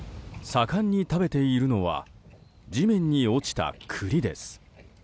盛んに食べているのは地面に落ちた栗です。